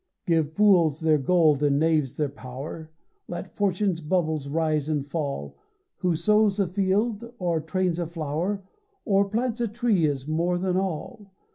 Give fools their gold and knaves their power, Let fortune's bubbles rise and fall, Who sows a field or trains a flower Or plants a tree is more than all.